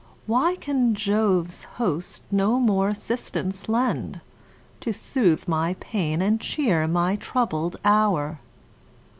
Why can Jove's host no more assistance lend, To soothe my pains, and cheer my troubled hour?